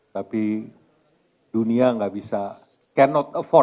tapi dunia tidak bisa cannot afford